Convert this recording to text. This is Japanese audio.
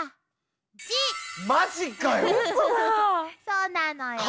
そうなのよ。